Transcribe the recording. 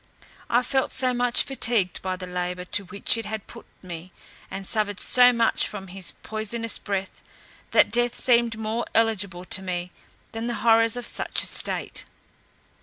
I felt so much fatigued by the labour to which it had put me, and suffered so much from his poisonous breath, that death seemed more eligible to me than the horrors of such a state.